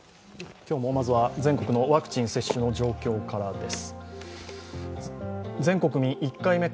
今日もまずは、全国のワクチン接種の状況からです。